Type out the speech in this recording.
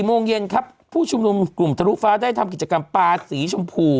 โมงเย็นครับผู้ชุมนุมกลุ่มทะลุฟ้าได้ทำกิจกรรมปลาสีชมพู